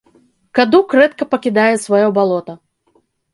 Кадук рэдка пакідае сваё балота.